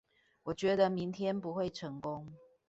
我覺得明天不會成功